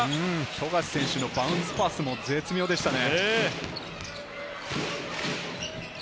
富樫選手のバウンズパスも絶妙でしたね。